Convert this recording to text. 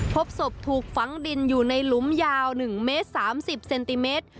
พบศพถูกฝังดินอยู่ในหลุมยาว๑เมตร๓๐เซนติเมตร